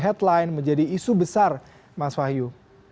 headline menjadi isu besar mas wahyu